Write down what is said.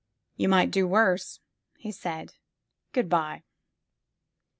Tou might do worse," he said. Good by."